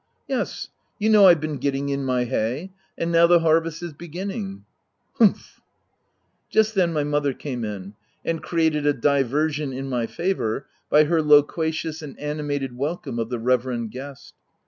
"Yes; you know I've been getting in my hay ; and now the harvest is beginning.' \« Humph !•' Just then my mother came in, and created a diversion in my favour, by her loquacious and animated welcome of the reverend guest.